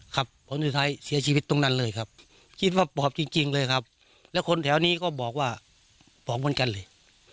ผลสุดท้ายเสียชีวิตตรงนั้นเลยครับคิดว่าปอบจริงเลยครับแล้วคนแถวนี้ก็บอกว่าปอบเหมือนกันเลย